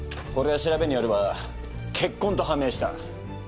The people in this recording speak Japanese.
これは調べによれば血痕と判明した！